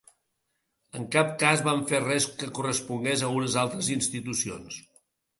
En cap cas vam fer res que correspongués a unes altres institucions.